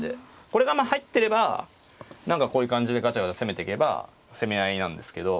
これがまあ入ってれば何かこういう感じでがちゃがちゃ攻めていけば攻め合いなんですけど。